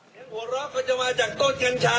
ทรีย์หัวเราะคือจะมาจากโต๊ะกัญชา